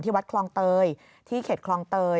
วัดคลองเตยที่เข็ดคลองเตย